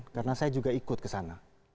karena saya juga ikut ke sana